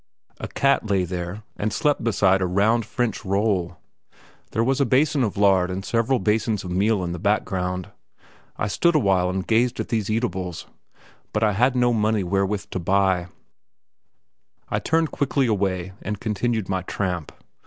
A cat lay there and slept beside a round French roll. There was a basin of lard and several basins of meal in the background. I stood a while and gazed at these eatables; but as I had no money wherewith to buy, I turned quickly away and continued my tramp.